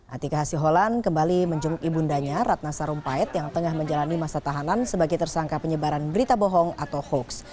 atika hasiholan kembali menjenguk ibundanya ratna sarumpait yang tengah menjalani masa tahanan sebagai tersangka penyebaran berita bohong atau hoax